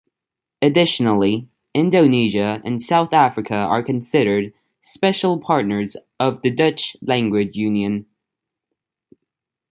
Additionally, Indonesia and South Africa are considered "special partners" of the Dutch Language Union.